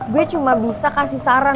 gue cuma bisa kasih saran